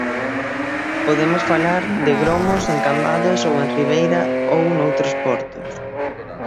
Podemos falar de gromos en Cambados ou en Ribeira ou noutros portos.